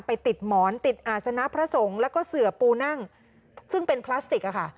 ไปติดหมอนติดอาศนะพระสงฆ์แล้วก็เสือปูนั่งซึ่งเป็นพลาสติกอะค่ะ